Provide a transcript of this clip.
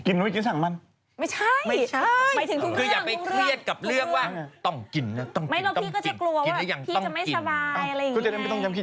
กินนทำไมกินจะอีกไม่ใช่